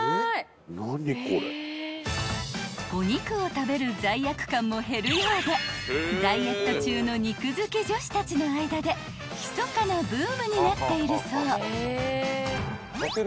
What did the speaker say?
［お肉を食べる罪悪感も減るようでダイエット中の肉好き女子たちの間でひそかなブームになっているそう］